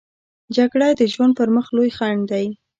جګړه د ژوند پر مخ لوی خنډ دی